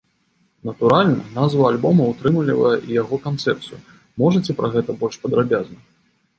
Натуральна, назва альбома ўтрымлівае і яго канцэпцыю, можаце пра гэта больш падрабязна?